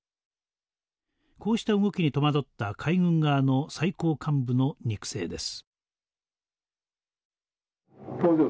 こうした動きに戸惑った海軍側の最高幹部の肉声です。